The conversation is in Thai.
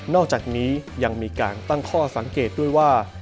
อกจากนี้ยังมีการตั้งข้อสังเกตด้วยว่า